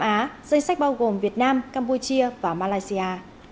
các quốc gia bao gồm việt nam campuchia và malaysia